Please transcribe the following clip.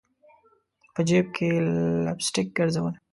په جیب کي لپ سټک ګرزول